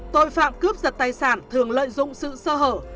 tội phạm cướp giật tài sản thường lợi dụng sự sơ hở